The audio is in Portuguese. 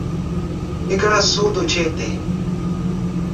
Igaraçu do Tietê